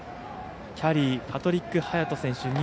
キャリーパトリック波也斗選手